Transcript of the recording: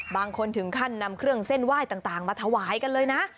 บางคนถึงขั้นนำเครื่องเส้นไหว้ต่างมาถวายกันเลยนะ